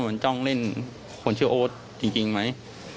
มันจ้องเล่นคนชื่อโอ๊ตจริงไหม